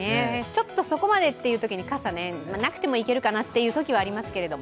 ちょっとそこまでってときに傘、なくても行けるかなってときはありますけど。